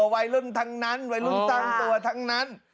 วัยรุ่นทั้งนั้นวัยรุ่นสร้างตัวทั้งนั้น